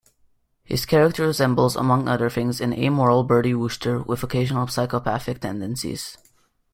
His character resembles, among other things, an amoral Bertie Wooster with occasional psychopathic tendencies.